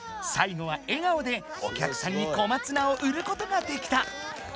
最後は笑顔でお客さんに小松菜を売ることができた！